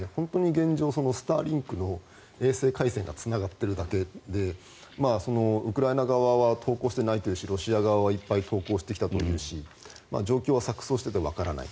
現状、スターリンクの衛星回線がつながっているだけでウクライナ側は投降していないと言うしロシア側はいっぱい投降してきたと言うし状況は錯そうしていてわからない。